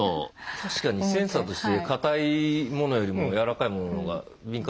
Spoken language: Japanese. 確かにセンサーとして硬いものよりもやわらかいものの方が敏感そうですね。